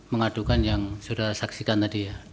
mengadukan yang saudara saksikan tadi ya